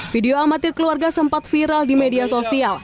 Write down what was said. video amatir keluarga sempat viral di media sosial